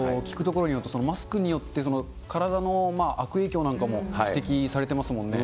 その感覚が変わってくるし、聞くところによると、マスクによって、体の悪影響なんかも指摘されてますもんね。